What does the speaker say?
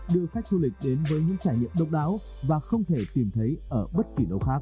đưa khách du lịch đến với những trải nghiệm độc đáo và không thể tìm thấy ở bất kỳ đâu khác